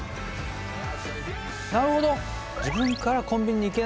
なるほど。